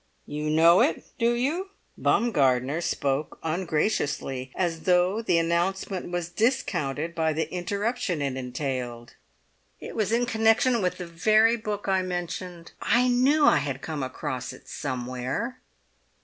"You do know it, do you?" Baumgartner spoke ungraciously, as though the announcement was discounted by the interruption it entailed. "It was in connection with the very book I mentioned. I knew I had come across it somewhere."